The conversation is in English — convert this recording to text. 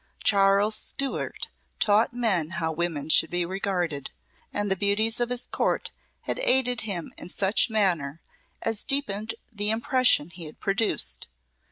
Charles Stuart taught men how women should be regarded, and the beauties of his Court had aided him in such manner as deepened the impression he had produced.